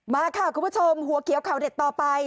มาค่ะคุณผู้ชมหัวเขียวข่าวเด็ดต่อไป